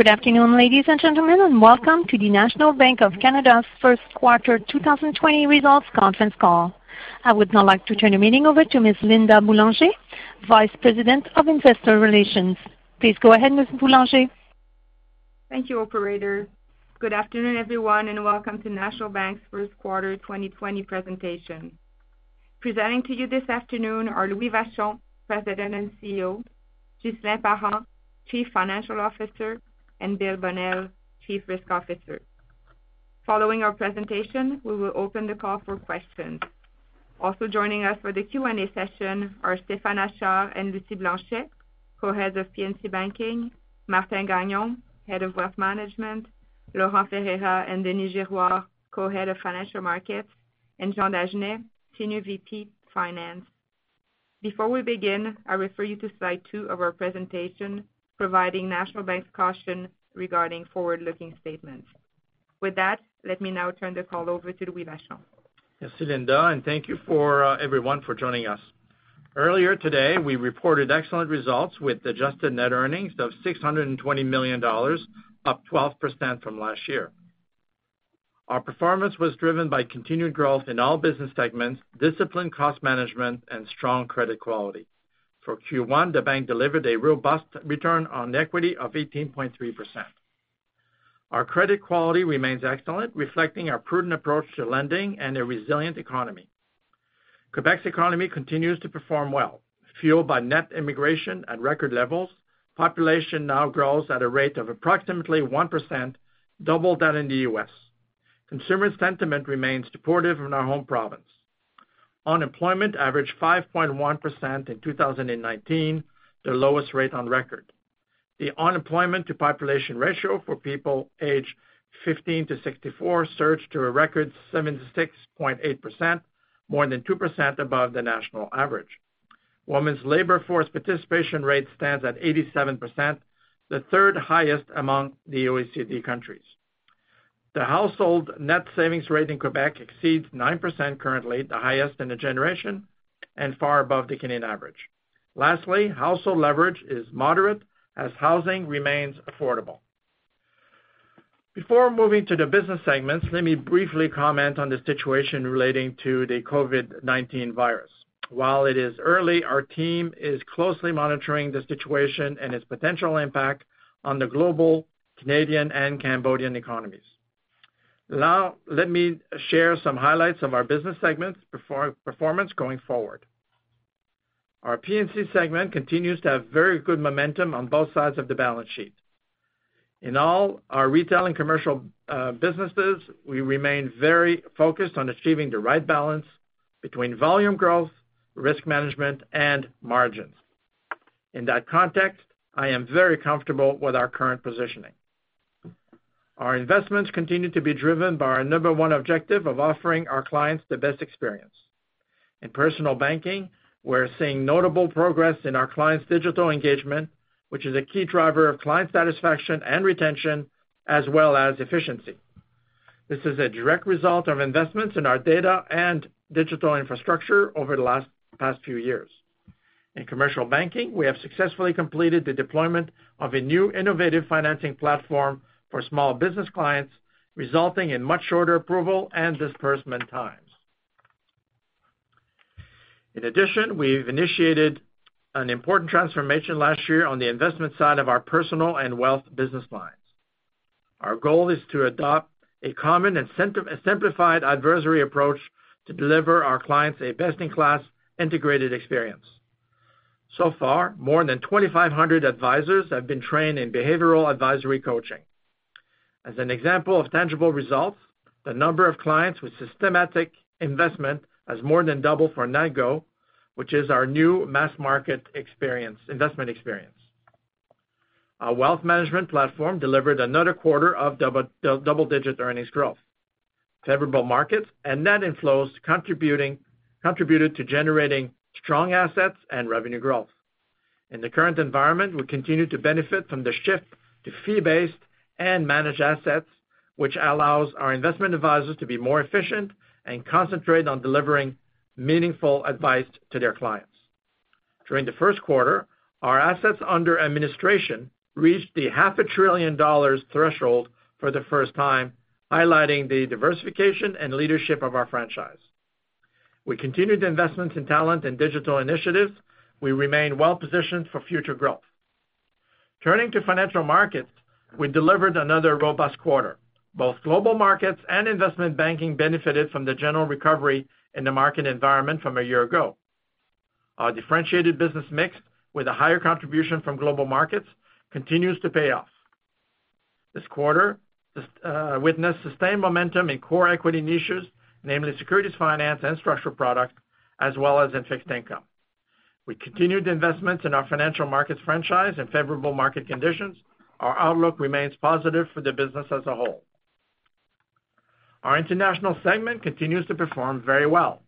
Good afternoon, ladies and gentlemen, and welcome to the National Bank of Canada's first quarter 2020 results conference call. I would now like to turn the meeting over to Ms. Linda Boulanger, Vice President of Investor Relations. Please go ahead, Ms. Boulanger. Thank you, Operator. Good afternoon, everyone, and welcome to National Bank's first quarter 2020 presentation. Presenting to you this afternoon are Louis Vachon, President and CEO, Ghislain Parent, Chief Financial Officer, and Bill Bonnell, Chief Risk Officer. Following our presentation, we will open the call for questions. Also joining us for the Q&A session are Stéphane Achard and Lucie Blanchet, Co-Heads of P&C Banking, Martin Gagnon, Head of Wealth Management, Laurent Ferreira, Denis Girouard, Co-Heads of Financial Markets, and Jean Dagenais, Senior VP Finance. Before we begin, I refer you to slide two of our presentation, providing National Bank's caution regarding forward-looking statements. With that, let me now turn the call over to Louis Vachon. Merci, Linda, and thank you for everyone for joining us. Earlier today, we reported excellent results with adjusted net earnings of 620 million dollars, up 12% from last year. Our performance was driven by continued growth in all business segments, disciplined cost management, and strong credit quality. For Q1, the bank delivered a robust return on equity of 18.3%. Our credit quality remains excellent, reflecting our prudent approach to lending and a resilient economy. Quebec's economy continues to perform well, fueled by net immigration at record levels. Population now grows at a rate of approximately 1%, double that in the U.S. Consumer sentiment remains supportive in our home province. Unemployment averaged 5.1% in 2019, the lowest rate on record. The unemployment-to-population ratio for people aged 15-64 surged to a record 76.8%, more than 2% above the national average. Women's labor force participation rate stands at 87%, the third highest among the OECD countries. The household net savings rate in Quebec exceeds 9% currently, the highest in a generation and far above the Canadian average. Lastly, household leverage is moderate as housing remains affordable. Before moving to the business segments, let me briefly comment on the situation relating to the COVID-19 virus. While it is early, our team is closely monitoring the situation and its potential impact on the global, Canadian, and Cambodian economies. Now, let me share some highlights of our business segments' performance going forward. Our P&C segment continues to have very good momentum on both sides of the balance sheet. In all our retail and commercial businesses, we remain very focused on achieving the right balance between volume growth, risk management, and margins. In that context, I am very comfortable with our current positioning. Our investments continue to be driven by our number one objective of offering our clients the best experience. In personal banking, we're seeing notable progress in our clients' digital engagement, which is a key driver of client satisfaction and retention, as well as efficiency. This is a direct result of investments in our data and digital infrastructure over the last few years. In commercial banking, we have successfully completed the deployment of a new innovative financing platform for small business clients, resulting in much shorter approval and disbursement times. In addition, we've initiated an important transformation last year on the investment side of our personal and wealth business lines. Our goal is to adopt a common and simplified advisory approach to deliver our clients a best-in-class integrated experience. So far, more than 2,500 advisors have been trained in behavioral advisory coaching. As an example of tangible results, the number of clients with systematic investment has more than doubled for NATGo, which is our new mass market investment experience. Our wealth management platform delivered another quarter of double-digit earnings growth. Favorable markets and net inflows contributed to generating strong assets and revenue growth. In the current environment, we continue to benefit from the shift to fee-based and managed assets, which allows our investment advisors to be more efficient and concentrate on delivering meaningful advice to their clients. During the first quarter, our assets under administration reached the 500 billion dollars threshold for the first time, highlighting the diversification and leadership of our franchise. We continued investments in talent and digital initiatives. We remain well-positioned for future growth. Turning to financial markets, we delivered another robust quarter. Both global markets and investment banking benefited from the general recovery in the market environment from a year ago. Our differentiated business mix, with a higher contribution from global markets, continues to pay off. This quarter witnessed sustained momentum in core equity niches, namely securities finance, and structured products, as well as in fixed income. We continued investments in our financial markets franchise in favorable market conditions. Our outlook remains positive for the business as a whole. Our international segment continues to perform very well.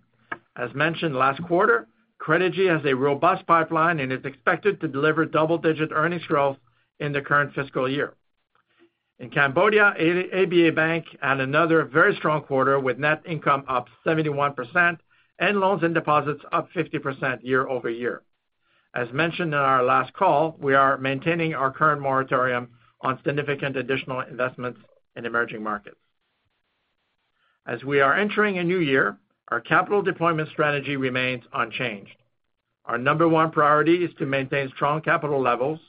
As mentioned last quarter, Credigy has a robust pipeline and is expected to deliver double-digit earnings growth in the current fiscal year. In Cambodia, ABA Bank had another very strong quarter with net income up 71% and loans and deposits up 50% year over year. As mentioned in our last call, we are maintaining our current moratorium on significant additional investments in emerging markets. As we are entering a new year, our capital deployment strategy remains unchanged. Our number one priority is to maintain strong capital levels.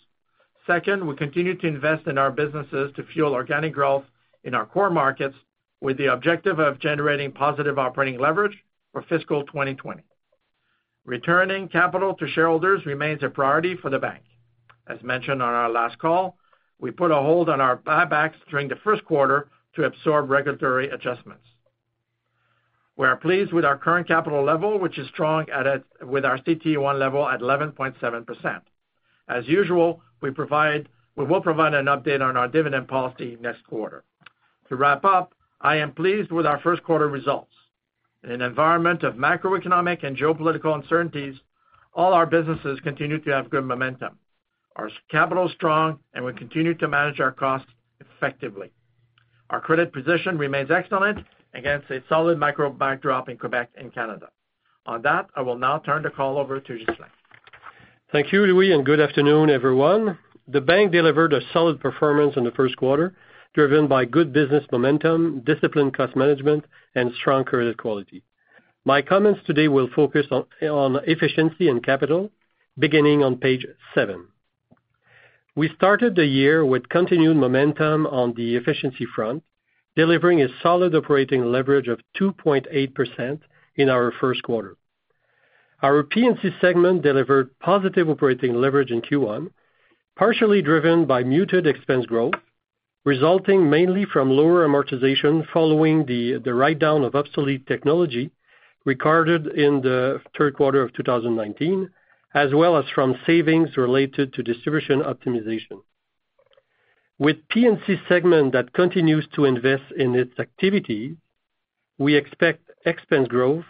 Second, we continue to invest in our businesses to fuel organic growth in our core markets with the objective of generating positive operating leverage for fiscal 2020. Returning capital to shareholders remains a priority for the bank. As mentioned on our last call, we put a hold on our buybacks during the first quarter to absorb regulatory adjustments. We are pleased with our current capital level, which is strong with our CET1 level at 11.7%. As usual, we will provide an update on our dividend policy next quarter. To wrap up, I am pleased with our first quarter results. In an environment of macroeconomic and geopolitical uncertainties, all our businesses continue to have good momentum. Our capital is strong, and we continue to manage our costs effectively. Our credit position remains excellent against a solid micro backdrop in Quebec and Canada. On that, I will now turn the call over to Ghislain. Thank you, Louis, and good afternoon, everyone. The bank delivered a solid performance in the first quarter, driven by good business momentum, disciplined cost management, and strong credit quality. My comments today will focus on efficiency and capital, beginning on page seven. We started the year with continued momentum on the efficiency front, delivering a solid operating leverage of 2.8% in our first quarter. Our P&C segment delivered positive operating leverage in Q1, partially driven by muted expense growth, resulting mainly from lower amortization following the write-down of obsolete technology recorded in the third quarter of 2019, as well as from savings related to distribution optimization. With the P&C segment that continues to invest in its activity, we expect expense growth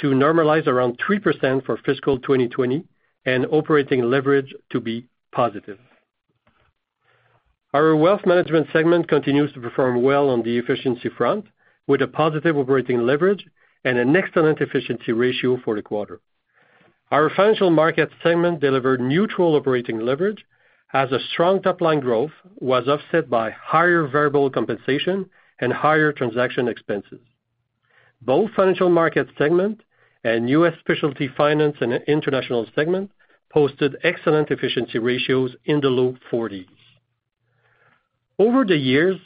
to normalize around 3% for fiscal 2020 and operating leverage to be positive. Our wealth management segment continues to perform well on the efficiency front, with a positive operating leverage and an excellent efficiency ratio for the quarter. Our financial markets segment delivered neutral operating leverage as a strong top-line growth was offset by higher variable compensation and higher transaction expenses. Both financial markets segment and U.S. specialty finance and international segment posted excellent efficiency ratios in the low 40s. Over the years,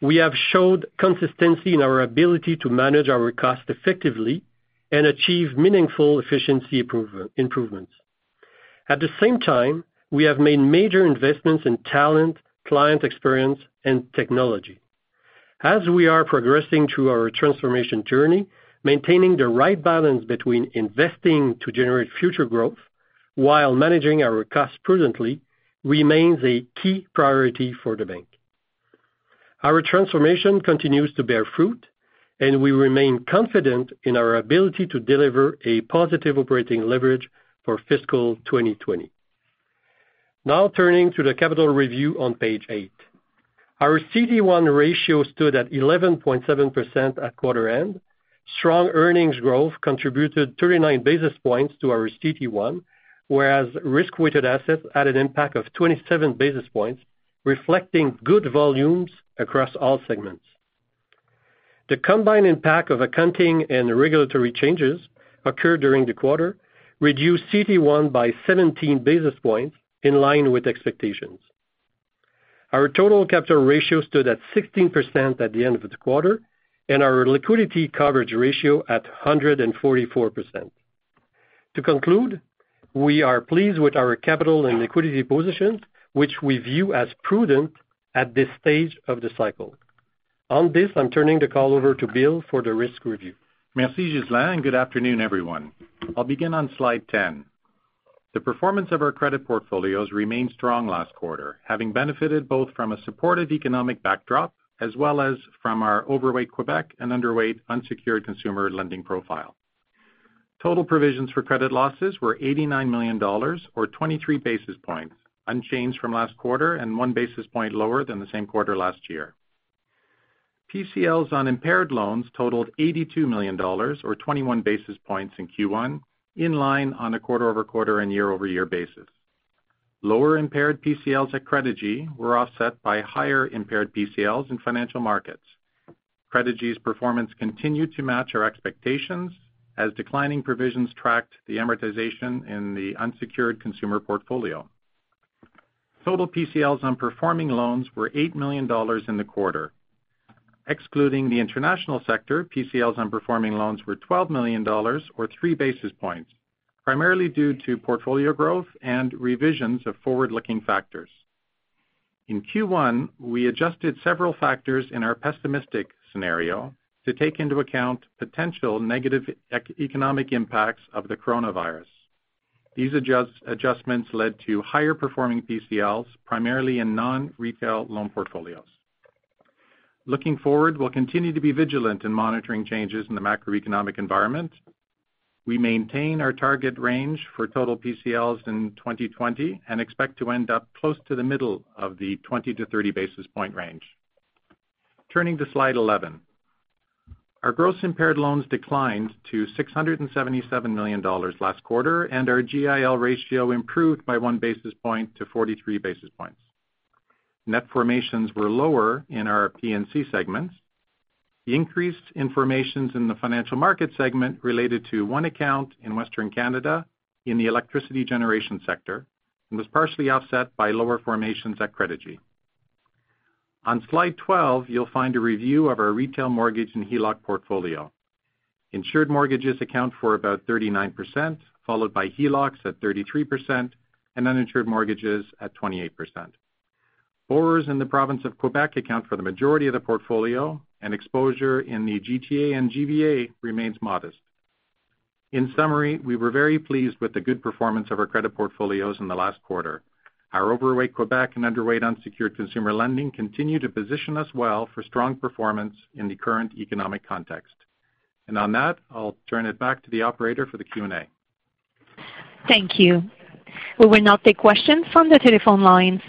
we have showed consistency in our ability to manage our costs effectively and achieve meaningful efficiency improvements. At the same time, we have made major investments in talent, client experience, and technology. As we are progressing through our transformation journey, maintaining the right balance between investing to generate future growth while managing our costs prudently remains a key priority for the bank. Our transformation continues to bear fruit, and we remain confident in our ability to deliver a positive operating leverage for fiscal 2020. Now, turning to the capital review on page eight, our CET1 ratio stood at 11.7% at quarter end. Strong earnings growth contributed 39 basis points to our CET1, whereas risk-weighted assets had an impact of 27 basis points, reflecting good volumes across all segments. The combined impact of accounting and regulatory changes occurred during the quarter, reducing CET1 by 17 basis points in line with expectations. Our total capital ratio stood at 16% at the end of the quarter, and our liquidity coverage ratio at 144%. To conclude, we are pleased with our capital and liquidity positions, which we view as prudent at this stage of the cycle. On this, I'm turning the call over to Bill for the risk review. Merci, Ghislain, and good afternoon, everyone. I'll begin on slide 10. The performance of our credit portfolios remained strong last quarter, having benefited both from a supportive economic backdrop as well as from our overweight Quebec and underweight unsecured consumer lending profile. Total provisions for credit losses were 89 million dollars, or 23 basis points, unchanged from last quarter and one basis point lower than the same quarter last year. PCLs on impaired loans totaled 82 million dollars, or 21 basis points in Q1, in line on a quarter-over-quarter and year-over-year basis. Lower impaired PCLs at Credigy were offset by higher impaired PCLs in financial markets. Credigy's performance continued to match our expectations as declining provisions tracked the amortization in the unsecured consumer portfolio. Total PCLs on performing loans were 8 million dollars in the quarter. Excluding the international sector, PCLs on performing loans were 12 million dollars, or three basis points, primarily due to portfolio growth and revisions of forward-looking factors. In Q1, we adjusted several factors in our pessimistic scenario to take into account potential negative economic impacts of the coronavirus. These adjustments led to higher-performing PCLs, primarily in non-retail loan portfolios. Looking forward, we'll continue to be vigilant in monitoring changes in the macroeconomic environment. We maintain our target range for total PCLs in 2020 and expect to end up close to the middle of the 20-30 basis point range. Turning to slide 11, our gross impaired loans declined to 677 million dollars last quarter, and our GIL ratio improved by 1 basis point to 43 basis points. Net formations were lower in our P&C segments. Increased information in the financial markets segment related to one account in Western Canada in the electricity generation sector and was partially offset by lower formations at Credigy. On slide 12, you'll find a review of our retail mortgage and HELOC portfolio. Insured mortgages account for about 39%, followed by HELOCs at 33% and uninsured mortgages at 28%. Borrowers in the province of Quebec account for the majority of the portfolio, and exposure in the GTA and GVA remains modest. In summary, we were very pleased with the good performance of our credit portfolios in the last quarter. Our overweight Quebec and underweight unsecured consumer lending continue to position us well for strong performance in the current economic context, and on that, I'll turn it back to the operator for the Q&A. Thank you. We will now take questions from the telephone lines.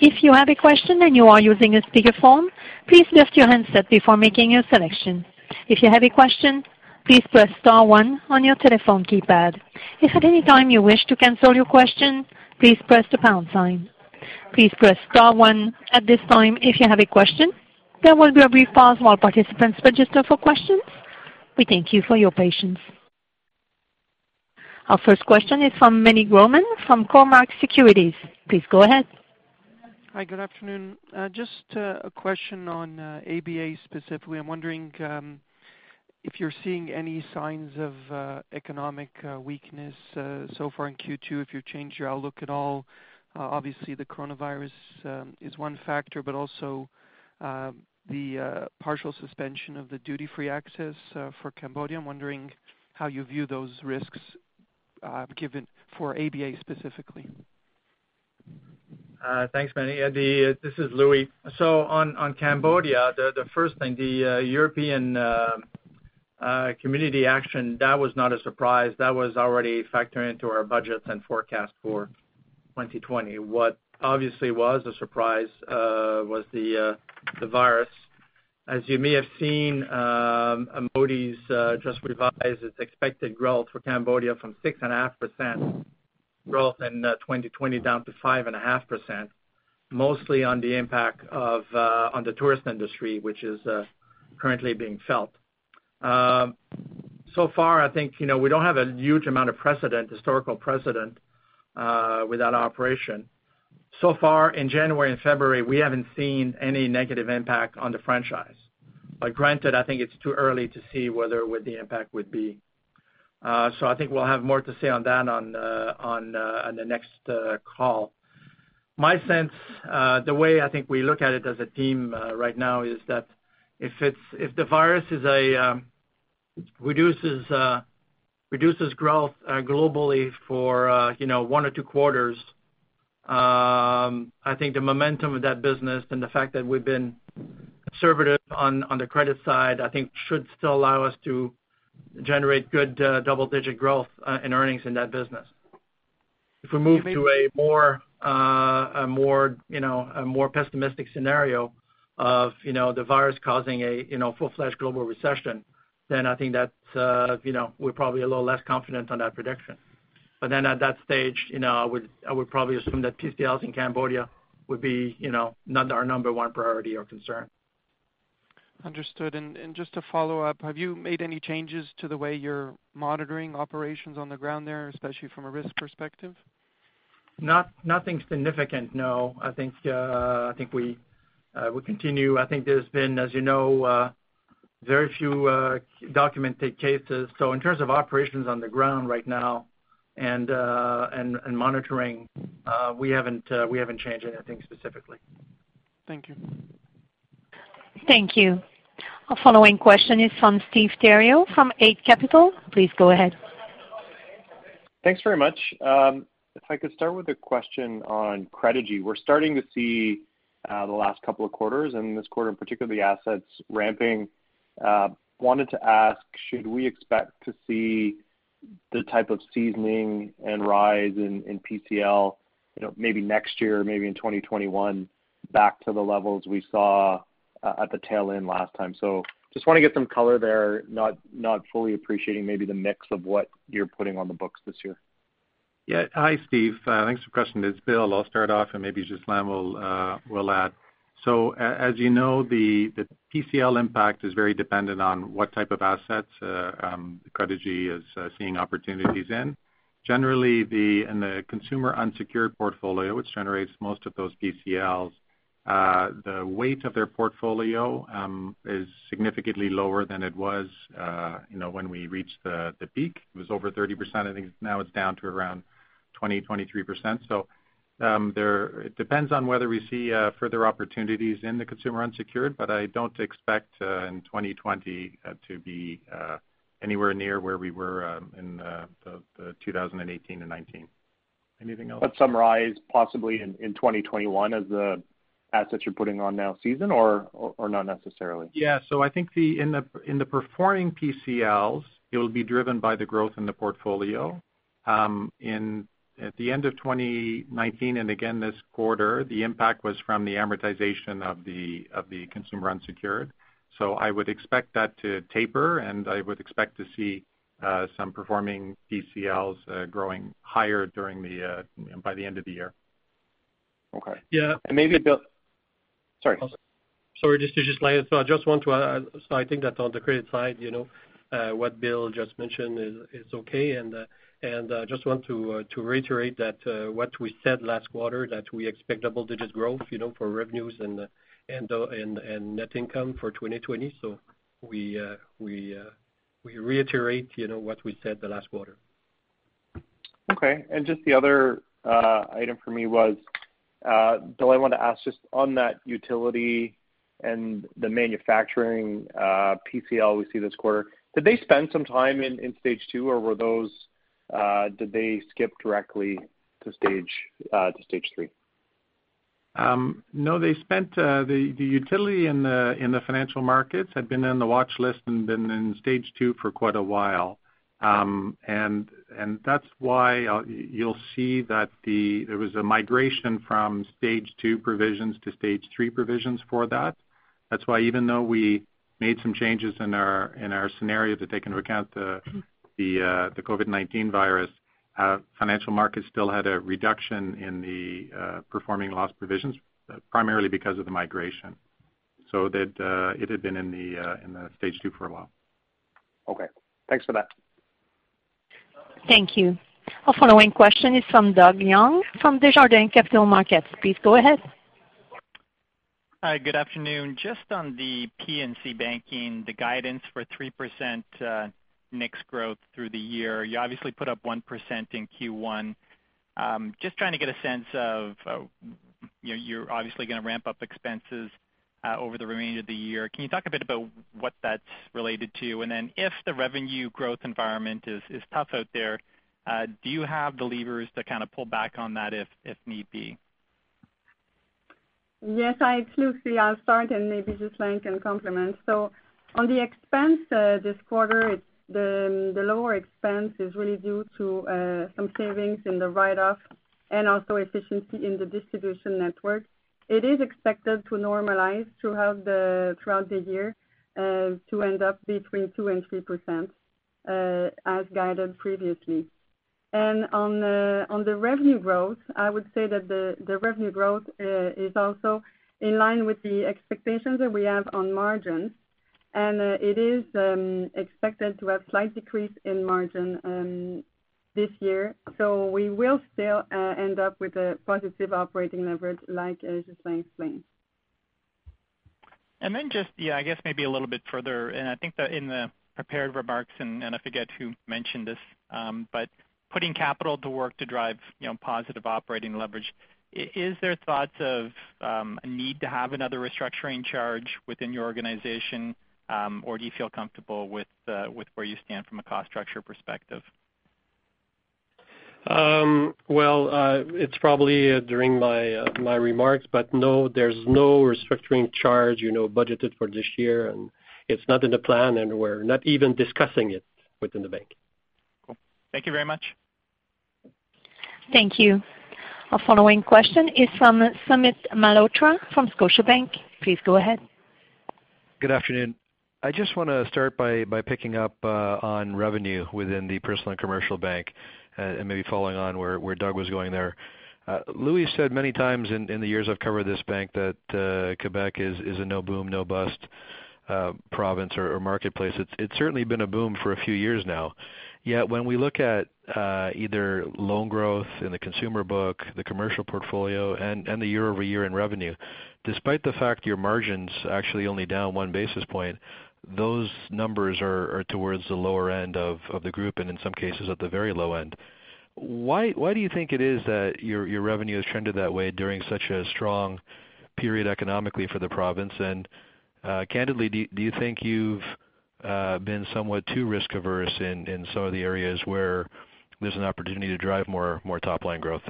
If you have a question and you are using a speakerphone, please lift your handset before making your selection. If you have a question, please press star one on your telephone keypad. If at any time you wish to cancel your question, please press the pound sign. Please press star one at this time if you have a question. There will be a brief pause while participants register for questions. We thank you for your patience. Our first question is from Meny Grauman from Cormark Securities. Please go ahead. Hi, good afternoon. Just a question on ABA specifically. I'm wondering if you're seeing any signs of economic weakness so far in Q2, if you've changed your outlook at all. Obviously, the coronavirus is one factor, but also the partial suspension of the duty-free access for Cambodia. I'm wondering how you view those risks given for ABA specifically. Thanks, Meny. This is Louis. So on Cambodia, the first thing, the European Community action, that was not a surprise. That was already factored into our budgets and forecast for 2020. What obviously was a surprise was the virus. As you may have seen, Moody's just revised its expected growth for Cambodia from 6.5% growth in 2020 down to 5.5%, mostly on the impact of the tourist industry, which is currently being felt. So far, I think we don't have a huge amount of historical precedent with that operation. So far, in January and February, we haven't seen any negative impact on the franchise. But granted, I think it's too early to see what the impact would be. So I think we'll have more to say on that on the next call. My sense, the way I think we look at it as a team right now is that if the virus reduces growth globally for one or two quarters, I think the momentum of that business and the fact that we've been conservative on the credit side, I think should still allow us to generate good double-digit growth in earnings in that business. If we move to a more pessimistic scenario of the virus causing a full-fledged global recession, then I think we're probably a little less confident on that prediction, but then at that stage, I would probably assume that PCLs in Cambodia would be not our number one priority or concern. Understood. And just to follow up, have you made any changes to the way you're monitoring operations on the ground there, especially from a risk perspective? Nothing significant, no. I think we continue. I think there's been, as you know, very few documented cases. So in terms of operations on the ground right now and monitoring, we haven't changed anything specifically. Thank you. Thank you. Our following question is from Steve Theriault from Eight Capital. Please go ahead. Thanks very much. If I could start with a question on Credigyrowth. We're starting to see the last couple of quarters, and this quarter in particular, the assets ramping. Wanted to ask, should we expect to see the type of seasoning and rise in PCL maybe next year, maybe in 2021, back to the levels we saw at the tail end last time? So just want to get some color there, not fully appreciating maybe the mix of what you're putting on the books this year. Yeah. Hi, Steve. Thanks for the question. It's Bill. I'll start off, and maybe Ghislain will add. So as you know, the PCL impact is very dependent on what type of assets Credigy is seeing opportunities in. Generally, in the consumer unsecured portfolio, which generates most of those PCLs, the weight of their portfolio is significantly lower than it was when we reached the peak. It was over 30%. I think now it's down to around 20%-23%. So it depends on whether we see further opportunities in the consumer unsecured, but I don't expect in 2020 to be anywhere near where we were in 2018 and 2019. Anything else? But some rise possibly in 2021 as the assets you're putting on now season, or not necessarily? Yeah. So I think in the performing PCLs, it will be driven by the growth in the portfolio. At the end of 2019 and again this quarter, the impact was from the amortization of the consumer unsecured. So I would expect that to taper, and I would expect to see some performing PCLs growing higher by the end of the year. Okay. Yeah. And maybe Bill. Sorry. Sorry, this is Ghislain. So I just want to add, so I think that on the credit side, what Bill just mentioned is okay. And I just want to reiterate that what we said last quarter, that we expect double-digit growth for revenues and net income for 2020. So we reiterate what we said the last quarter. Okay, and just the other item for me was, Bill, I want to ask just on that utility and the manufacturing PCL we see this quarter, did they spend some time in stage two, or did they skip directly to Stage 3? No, the entity in the Financial Markets had been on the watch list and been in Stage 2 for quite a while. And that's why you'll see that there was a migration from Stage 2 provisions to Stage 3 provisions for that. That's why even though we made some changes in our scenario to take into account the COVID-19 virus, Financial Markets still had a reduction in the performing loss provisions, primarily because of the migration. So it had been in Stage 2 for a while. Okay. Thanks for that. Thank you. Our following question is from Doug Young from Desjardins Capital Markets. Please go ahead. Hi, good afternoon. Just on the P&C banking, the guidance for 3% mix growth through the year, you obviously put up 1% in Q1. Just trying to get a sense of you're obviously going to ramp up expenses over the remainder of the year. Can you talk a bit about what that's related to? And then if the revenue growth environment is tough out there, do you have the levers to kind of pull back on that if need be? Yes. Hi, it's Lucie. I'll start, and maybe Ghislain can complement. So on the expense this quarter, the lower expense is really due to some savings in the write-off and also efficiency in the distribution network. It is expected to normalize throughout the year to end up between 2% and 3% as guided previously. And on the revenue growth, I would say that the revenue growth is also in line with the expectations that we have on margins. And it is expected to have a slight decrease in margin this year. So we will still end up with a positive operating leverage, like Ghislain explained. And then just, yeah, I guess maybe a little bit further. And I think that in the prepared remarks, and I forget who mentioned this, but putting capital to work to drive positive operating leverage, is there thoughts of a need to have another restructuring charge within your organization, or do you feel comfortable with where you stand from a cost structure perspective? It's probably during my remarks, but no, there's no restructuring charge budgeted for this year. It's not in the plan, and we're not even discussing it within the bank. Cool. Thank you very much. Thank you. Our following question is from Sumit Malhotra from Scotiabank. Please go ahead. Good afternoon. I just want to start by picking up on revenue within the personal and commercial bank and maybe following on where Doug was going there. Louis said many times in the years I've covered this bank that Quebec is a no-boom, no-bust province or marketplace. It's certainly been a boom for a few years now. Yet when we look at either loan growth in the consumer book, the commercial portfolio, and the year-over-year in revenue, despite the fact your margins actually only down one basis point, those numbers are towards the lower end of the group and in some cases at the very low end. Why do you think it is that your revenue has trended that way during such a strong period economically for the province? Candidly, do you think you've been somewhat too risk-averse in some of the areas where there's an opportunity to drive more top-line growth?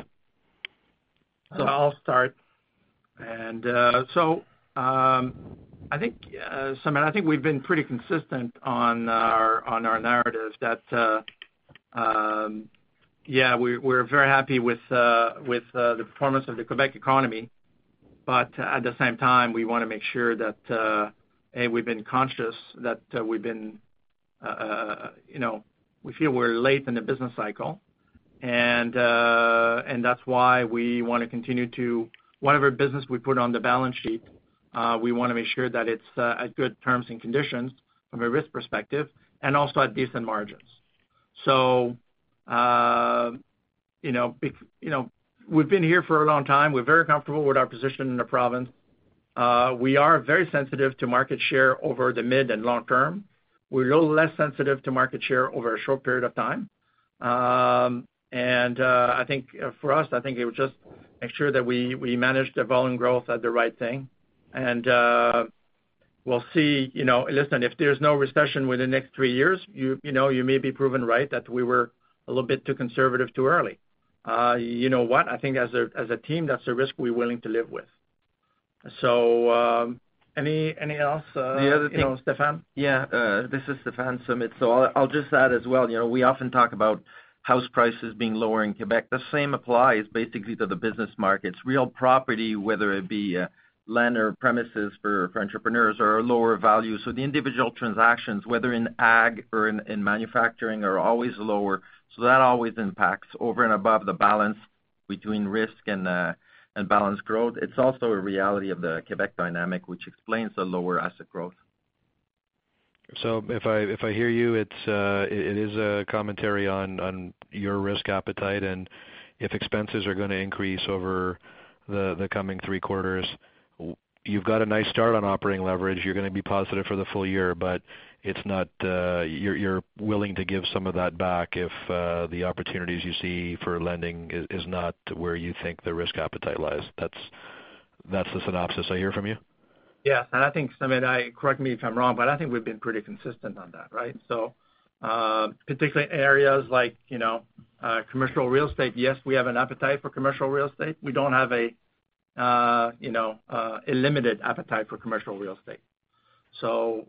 So I'll start. And so I think, Sumit, I think we've been pretty consistent on our narrative that, yeah, we're very happy with the performance of the Quebec economy. But at the same time, we want to make sure that we've been conscious that we feel we're late in the business cycle. And that's why we want to continue to whatever business we put on the balance sheet, we want to make sure that it's at good terms and conditions from a risk perspective and also at decent margins. So we've been here for a long time. We're very comfortable with our position in the province. We are very sensitive to market share over the mid and long term. We're a little less sensitive to market share over a short period of time. I think for us, I think it would just make sure that we manage the volume growth at the right thing. We'll see. Listen, if there's no recession within the next three years, you may be proven right that we were a little bit too conservative too early. You know what? I think as a team, that's a risk we're willing to live with. Any else? The other thing. Stéphane? Yeah, this is Stéphane Sumit, so I'll just add as well. We often talk about house prices being lower in Quebec. The same applies basically to the business markets. Real property, whether it be land or premises for entrepreneurs or lower value, so the individual transactions, whether in ag or in manufacturing, are always lower, so that always impacts over and above the balance between risk and balance growth. It's also a reality of the Quebec dynamic, which explains the lower asset growth. So if I hear you, it is a commentary on your risk appetite. And if expenses are going to increase over the coming three quarters, you've got a nice start on operating leverage. You're going to be positive for the full year. But you're willing to give some of that back if the opportunities you see for lending is not where you think the risk appetite lies. That's the synopsis I hear from you. Yeah. And I think, Sumit, correct me if I'm wrong, but I think we've been pretty consistent on that, right? So particularly areas like commercial real estate, yes, we have an appetite for commercial real estate. We don't have a limited appetite for commercial real estate. So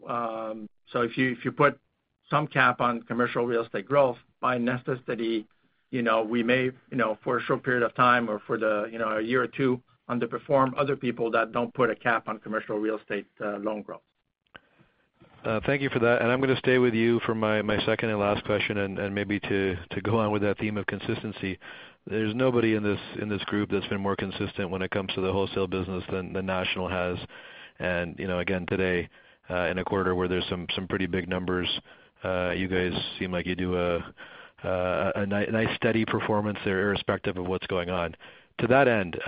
if you put some cap on commercial real estate growth, by necessity, we may, for a short period of time or for a year or two, underperform other people that don't put a cap on commercial real estate loan growth. Thank you for that. And I'm going to stay with you for my second and last question and maybe to go on with that theme of consistency. There's nobody in this group that's been more consistent when it comes to the wholesale business than National has. And again, today, in a quarter where there's some pretty big numbers, you guys seem like you do a nice steady performance irrespective of what's going on. To that end,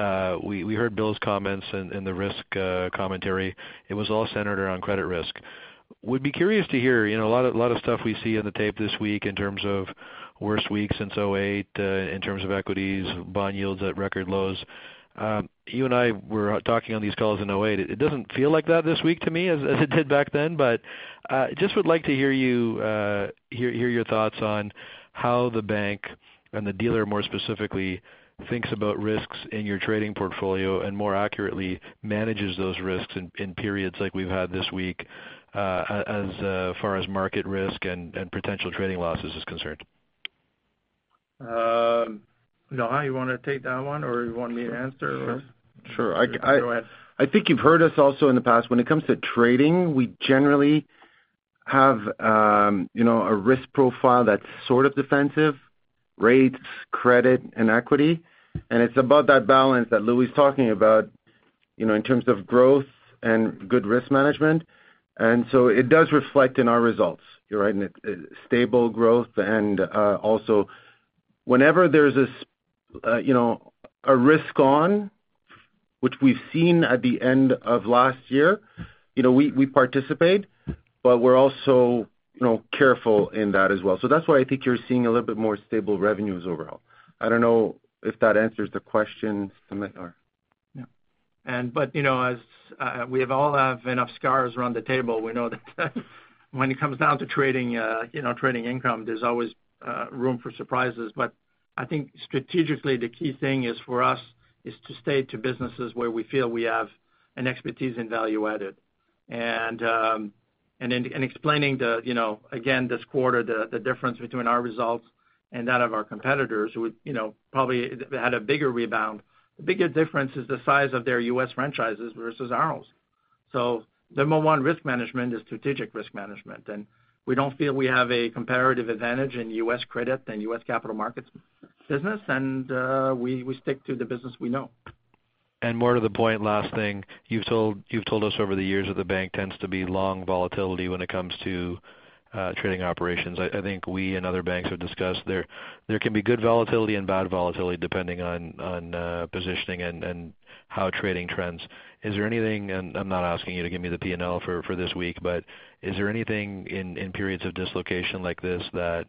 we heard Bill's comments and the risk commentary. It was all centered around credit risk. Would be curious to hear a lot of stuff we see in the tape this week in terms of worst week since 2008, in terms of equities, bond yields at record lows. You and I were talking on these calls in 2008. It doesn't feel like that this week to me as it did back then. But I just would like to hear your thoughts on how the bank and the dealer more specifically thinks about risks in your trading portfolio and more accurately manages those risks in periods like we've had this week as far as market risk and potential trading losses is concerned. Now, how do you want to take that one? Or do you want me to answer? Sure. Go ahead. I think you've heard us also in the past. When it comes to trading, we generally have a risk profile that's sort of defensive: rates, credit, and equity. It's about that balance that Louis is talking about in terms of growth and good risk management, so it does reflect in our results. You're right. Stable growth. Also, whenever there's a risk on, which we've seen at the end of last year, we participate, but we're also careful in that as well. That's why I think you're seeing a little bit more stable revenues overall. I don't know if that answers the question, Sumit, or. Yeah. But as we all have enough scars around the table, we know that when it comes down to trading income, there's always room for surprises. But I think strategically, the key thing for us is to stay to businesses where we feel we have an expertise and value added. And explaining, again, this quarter, the difference between our results and that of our competitors probably had a bigger rebound. The bigger difference is the size of their U.S. franchises versus ours. So number one, risk management is strategic risk management. And we don't feel we have a comparative advantage in U.S. credit and U.S. capital markets business. And we stick to the business we know. And more to the point, last thing. You've told us over the years that the bank tends to be long volatility when it comes to trading operations. I think we and other banks have discussed there can be good volatility and bad volatility depending on positioning and how trading trends. Is there anything, and I'm not asking you to give me the P&L for this week, but is there anything in periods of dislocation like this that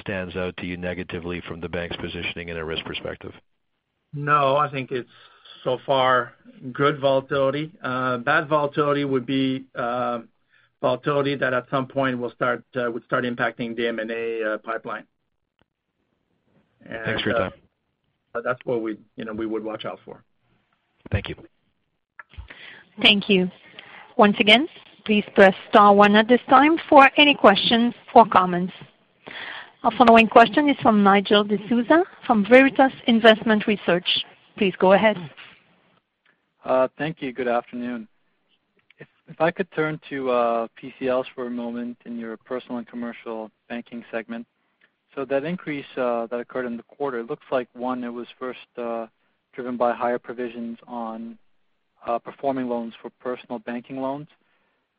stands out to you negatively from the bank's positioning and a risk perspective? No. I think it's so far good volatility. Bad volatility would be volatility that at some point would start impacting the M&A pipeline. Thanks for your time. That's what we would watch out for. Thank you. Thank you. Once again, please press star one at this time for any questions or comments. Our following question is from Nigel D'Souza from Veritas Investment Research. Please go ahead. Thank you. Good afternoon. If I could turn to PCLs for a moment in your personal and commercial banking segment. So that increase that occurred in the quarter, it looks like, one, it was first driven by higher provisions on performing loans for personal banking loans.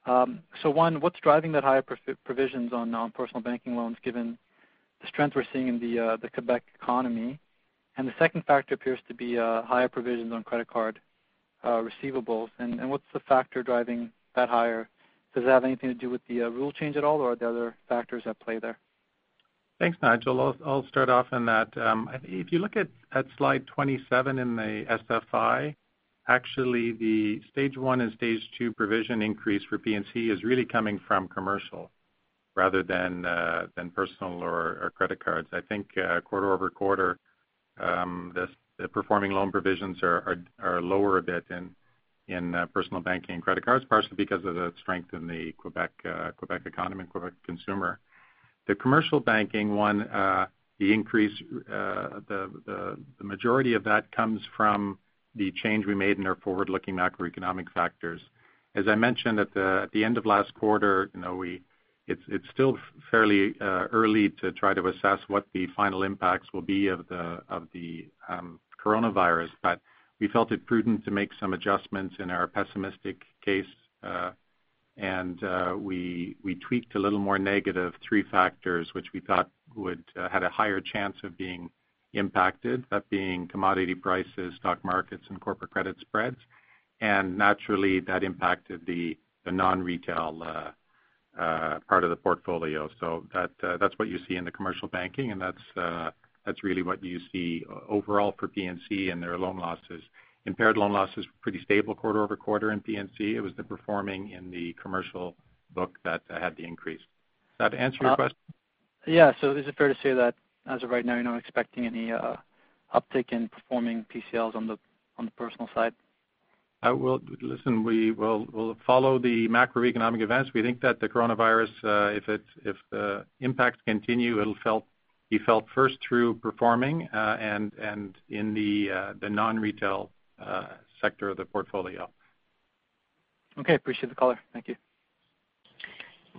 So one, what's driving that higher provisions on personal banking loans given the strength we're seeing in the Quebec economy? And the second factor appears to be higher provisions on credit card receivables. And what's the factor driving that higher? Does it have anything to do with the rule change at all, or are there other factors at play there? Thanks, Nigel. I'll start off on that. If you look at slide 27 in the SFI, actually, the Stage one and Stage two provision increase for P&C is really coming from commercial rather than personal or credit cards. I think quarter over quarter, the performing loan provisions are lower a bit in personal banking and credit cards, partially because of the strength in the Quebec economy and Quebec consumer. The commercial banking one, the increase, the majority of that comes from the change we made in our forward-looking macroeconomic factors. As I mentioned at the end of last quarter, it's still fairly early to try to assess what the final impacts will be of the coronavirus. But we felt it prudent to make some adjustments in our pessimistic case. And we tweaked a little more negative three factors, which we thought had a higher chance of being impacted, that being commodity prices, stock markets, and corporate credit spreads. And naturally, that impacted the non-retail part of the portfolio. So that's what you see in the commercial banking. And that's really what you see overall for P&C and their loan losses. Impaired loan loss is pretty stable quarter over quarter in P&C. It was the performing in the commercial book that had the increase. Does that answer your question? Yeah. So is it fair to say that as of right now, you're not expecting any uptick in performing PCLs on the personal side? Listen, we'll follow the macroeconomic events. We think that the coronavirus, if the impacts continue, it'll be felt first through performing and in the non-retail sector of the portfolio. Okay. Appreciate the color. Thank you.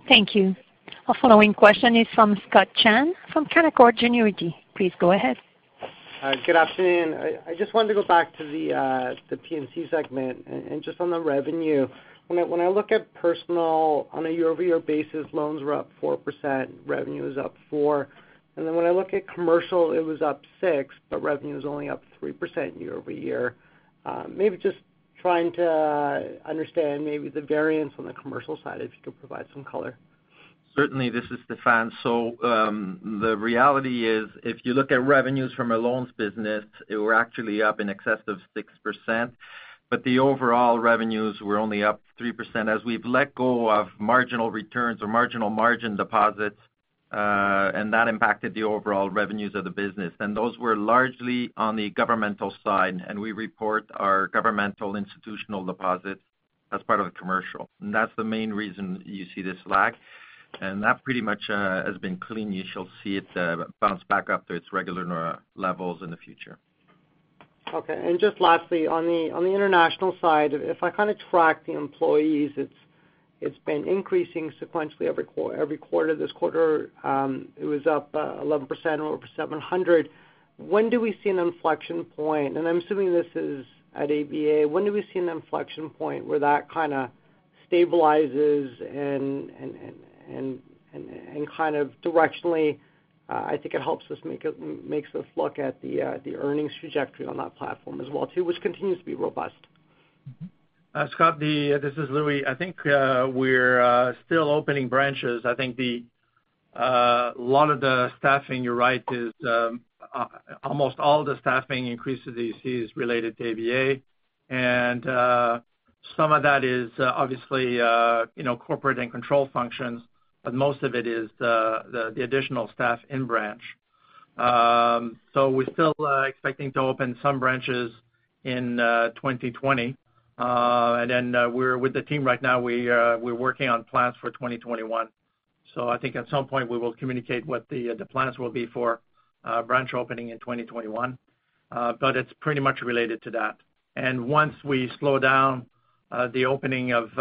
Thank you. Our following question is from Scott Chan from Canaccord Genuity. Please go ahead. Good afternoon. I just wanted to go back to the P&C segment and just on the revenue. When I look at personal, on a year-over-year basis, loans were up 4%. Revenue was up 4%, and then when I look at commercial, it was up 6%, but revenue was only up 3% year-over-year. Maybe just trying to understand maybe the variance on the commercial side if you could provide some color. Certainly, this is Stéphane. So the reality is, if you look at revenues from a loans business, it was actually up in excess of 6%. But the overall revenues were only up 3% as we've let go of marginal returns or marginal margin deposits. And that impacted the overall revenues of the business. And those were largely on the governmental side. And we report our governmental institutional deposits as part of the commercial. And that's the main reason you see this lag. And that pretty much has been clean. You shall see it bounce back up to its regular levels in the future. Okay. And just lastly, on the international side, if I kind of track the employees, it's been increasing sequentially every quarter. This quarter, it was up 11% over 700. When do we see an inflection point? And I'm assuming this is at ABA. When do we see an inflection point where that kind of stabilizes and kind of directionally? I think it helps us make us look at the earnings trajectory on that platform as well too, which continues to be robust. Scott, this is Louis. I think we're still opening branches. I think a lot of the staffing, you're right, is almost all the staffing increases that you see is related to ABA. And some of that is obviously corporate and control functions. But most of it is the additional staff in branch. So we're still expecting to open some branches in 2020. And then with the team right now, we're working on plans for 2021. So I think at some point, we will communicate what the plans will be for branch opening in 2021. But it's pretty much related to that. And once we slow down the opening of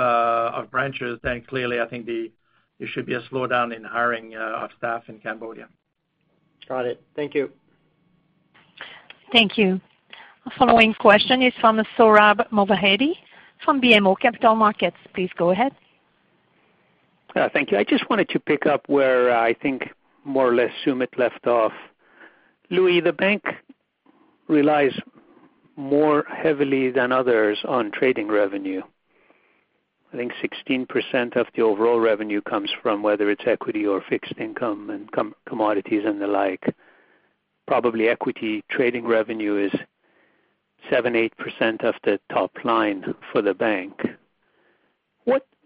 branches, then clearly, I think there should be a slowdown in hiring of staff in Cambodia. Got it. Thank you. Thank you. Our following question is from Sohrab Movahedi from BMO Capital Markets. Please go ahead. Thank you. I just wanted to pick up where I think more or less Sumit left off. Louis, the bank relies more heavily than others on trading revenue. I think 16% of the overall revenue comes from whether it's equity or fixed income and commodities and the like. Probably equity trading revenue is 7%-8% of the top line for the bank.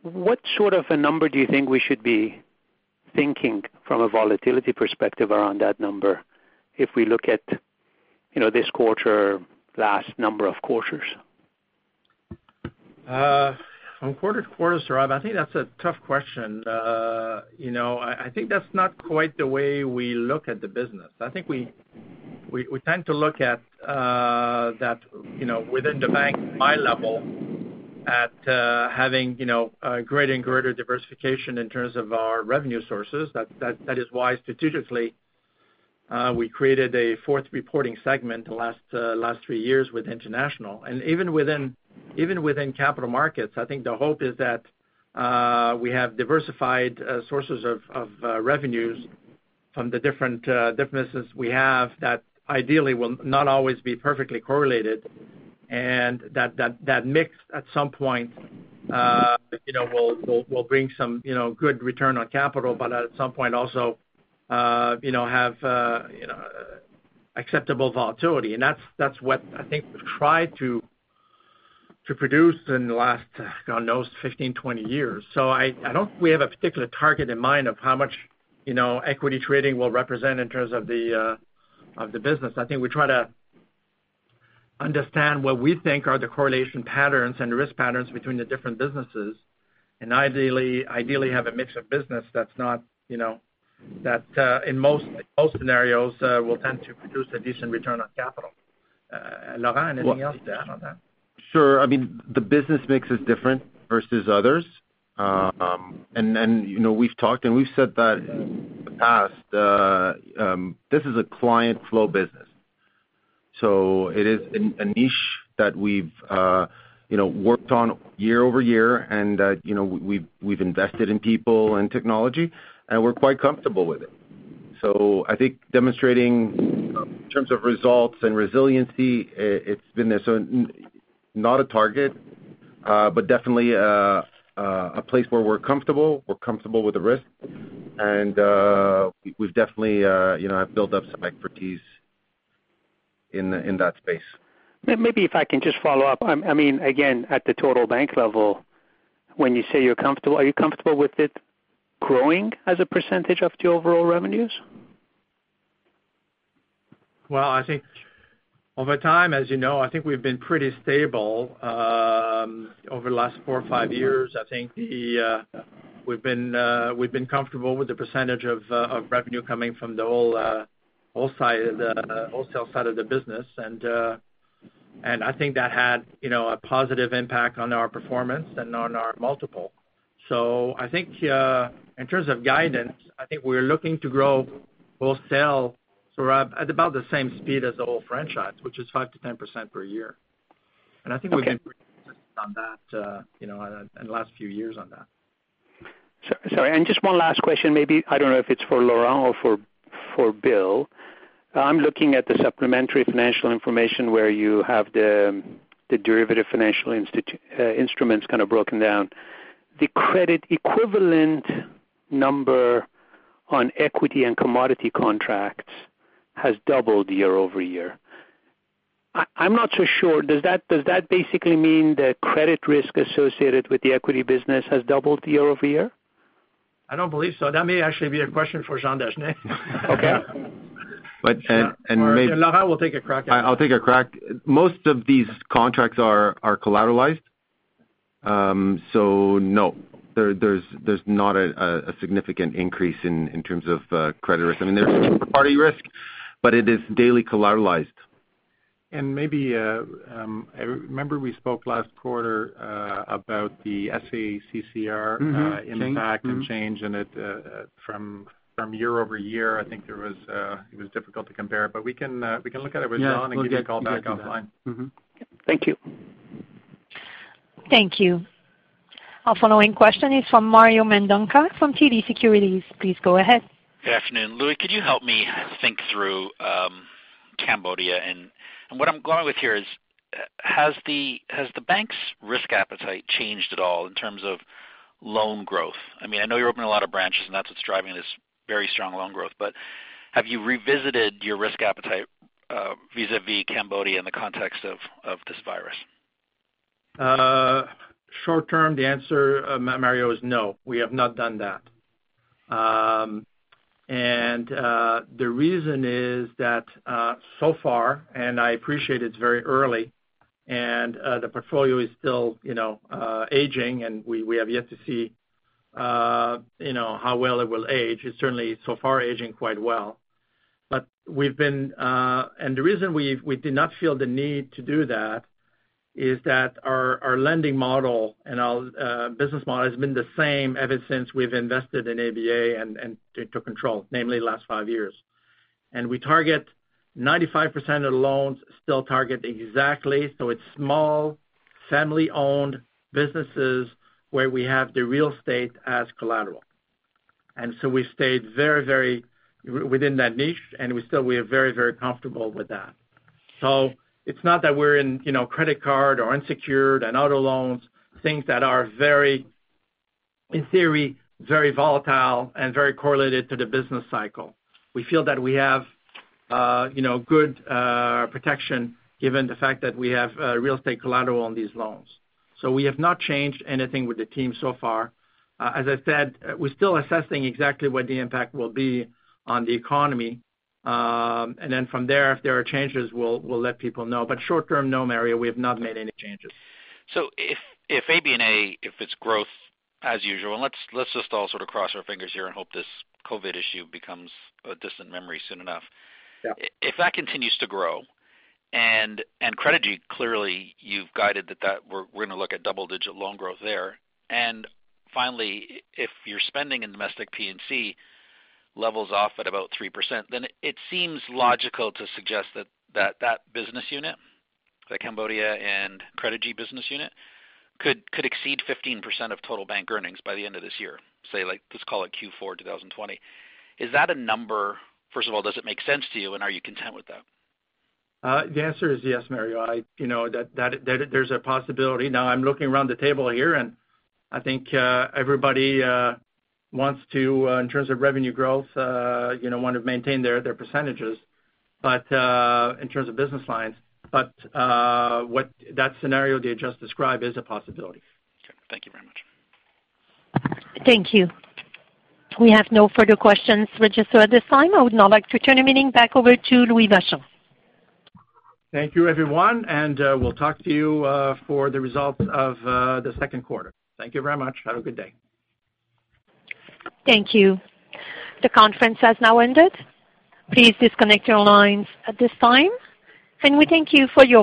What sort of a number do you think we should be thinking from a volatility perspective around that number if we look at this quarter, last number of quarters? From quarter to quarter, Sohrab, I think that's a tough question. I think that's not quite the way we look at the business. I think we tend to look at that within the bank, my level, at having greater and greater diversification in terms of our revenue sources. That is why strategically we created a fourth reporting segment the last three years with International. Even within capital markets, I think the hope is that we have diversified sources of revenues from the different businesses we have that ideally will not always be perfectly correlated. That mix at some point will bring some good return on capital, but at some point also have acceptable volatility. That's what I think we've tried to produce in the last, God knows, 15, 20 years. So I don't think we have a particular target in mind of how much equity trading will represent in terms of the business. I think we try to understand what we think are the correlation patterns and risk patterns between the different businesses and ideally have a mix of business that's not that in most scenarios will tend to produce a decent return on capital. Laurent, anything else to add on that? Sure. I mean, the business mix is different versus others. And we've talked and we've said that in the past. This is a client flow business. So it is a niche that we've worked on year over year. And we've invested in people and technology. And we're quite comfortable with it. So I think demonstrating in terms of results and resiliency, it's been there. So not a target, but definitely a place where we're comfortable. We're comfortable with the risk. And we've definitely built up some expertise in that space. Maybe if I can just follow up. I mean, again, at the total bank level, when you say you're comfortable, are you comfortable with it growing as a percentage of the overall revenues? I think over time, as you know, I think we've been pretty stable over the last four or five years. I think we've been comfortable with the percentage of revenue coming from the wholesale side of the business. And I think that had a positive impact on our performance and on our multiple. So I think in terms of guidance, I think we're looking to grow. We'll sell at about the same speed as the whole franchise, which is 5%-10% per year. And I think we've been pretty consistent on that in the last few years on that. Sorry. And just one last question. Maybe I don't know if it's for Laurent or for Bill. I'm looking at the supplementary financial information where you have the derivative financial instruments kind of broken down. The credit equivalent number on equity and commodity contracts has doubled year over year. I'm not so sure. Does that basically mean the credit risk associated with the equity business has doubled year over year? I don't believe so. That may actually be a question for Jean Dagenais. Okay. And maybe. Laurent, we'll take a crack at that. I'll take a crack. Most of these contracts are collateralized. So no, there's not a significant increase in terms of credit risk. I mean, there's some counterparty risk, but it is daily collateralized. Maybe I remember we spoke last quarter about the SA-CCR impact and change in it from year over year. I think it was difficult to compare. We can look at it with Jean and give you a call back offline. Thank you. Thank you. Our following question is from Mario Mendonca from TD Securities. Please go ahead. Good afternoon. Louis, could you help me think through Cambodia? And what I'm going with here is, has the bank's risk appetite changed at all in terms of loan growth? I mean, I know you're opening a lot of branches, and that's what's driving this very strong loan growth. But have you revisited your risk appetite vis-à-vis Cambodia in the context of this virus? Short term, the answer, Mario, is no. We have not done that. And the reason is that so far, and I appreciate it's very early, and the portfolio is still aging. And we have yet to see how well it will age. It's certainly so far aging quite well. But we've been, and the reason we did not feel the need to do that is that our lending model and our business model has been the same ever since we've invested in ABA and took control, namely the last five years. And we target 95% of the loans still target exactly. So it's small family-owned businesses where we have the real estate as collateral. And so we stayed very, very within that niche. And we still were very, very comfortable with that. So it's not that we're in credit card or unsecured and auto loans, things that are very, in theory, very volatile and very correlated to the business cycle. We feel that we have good protection given the fact that we have real estate collateral on these loans. So we have not changed anything with the team so far. As I said, we're still assessing exactly what the impact will be on the economy. And then from there, if there are changes, we'll let people know. But short term, no, Mario, we have not made any changes. So if ABA, if it's growth as usual, and let's just all sort of cross our fingers here and hope this COVID issue becomes a distant memory soon enough, if that continues to grow, and Credigy, clearly, you've guided that we're going to look at double-digit loan growth there. And finally, if your spending in domestic P&C levels off at about 3%, then it seems logical to suggest that that business unit, the Cambodia and Credigy business unit, could exceed 15% of total bank earnings by the end of this year, say, let's call it Q4 2020. Is that a number? First of all, does it make sense to you? And are you content with that? The answer is yes, Mario. There's a possibility. Now, I'm looking around the table here, and I think everybody wants to, in terms of revenue growth, want to maintain their percentages in terms of business lines, but that scenario that you just described is a possibility. Okay. Thank you very much. Thank you. We have no further questions registered at this time. I would now like to turn the meeting back over to Louis Vachon. Thank you, everyone, and we'll talk to you for the results of the second quarter. Thank you very much. Have a good day. Thank you. The conference has now ended. Please disconnect your lines at this time. And we thank you for your.